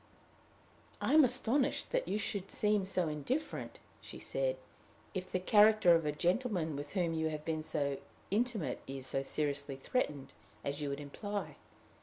"I am astonished you should seem so indifferent," she said, "if the character of a gentleman with whom you have been so intimate is so seriously threatened as you would imply.